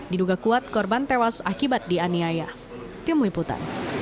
diduga kuat korban tewas akibat dianiaya